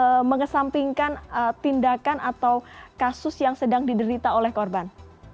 yang seakan akan mengesampingkan tindakan atau kasus yang sedang diderita oleh korban